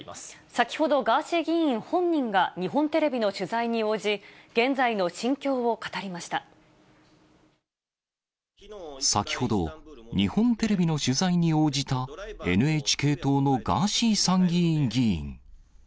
先ほど、ガーシー議員本人が日本テレビの取材に応じ、現在の心境を語りま先ほど、日本テレビの取材に応じた、ＮＨＫ党のガーシー参議院議員。